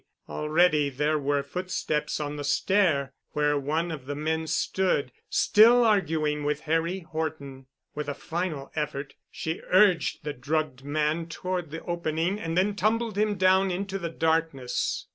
Already there were footsteps on the stair, where one of the men stood, still arguing with Harry Horton. With a final effort, she urged the drugged man toward the opening and then tumbled him down into the darkness.